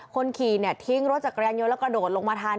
คนขี่ทิ้งรถจักรยานยนต์แล้วกระโดดลงมาทัน